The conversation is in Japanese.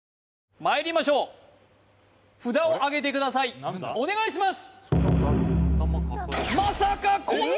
まいりましょう札をあげてくださいお願いします！